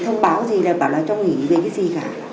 không có cái báo cáo gì thông báo gì là bảo là cho nghỉ về cái gì cả